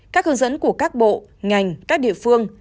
các hướng dẫn của các bộ ngành các địa phương